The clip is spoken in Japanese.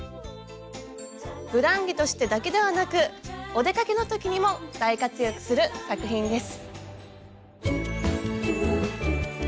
ふだん着としてだけではなくお出かけの時にも大活躍する作品です。